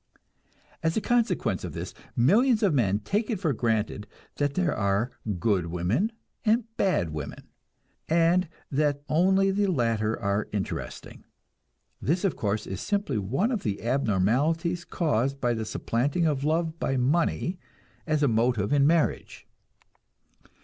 As a consequence of this, millions of men take it for granted that there are "good" women and "bad" women, and that only the latter are interesting. This, of course, is simply one of the abnormalities caused by the supplanting of love by money as a motive in marriage.